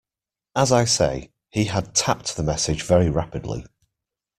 As I say, he had tapped the message very rapidly.